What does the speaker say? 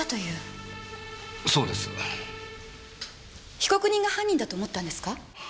被告人が犯人だと思ったんですか？